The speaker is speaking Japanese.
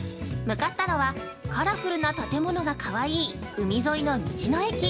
向かったのは、カラフルな建物がかわいい海沿いの道の駅。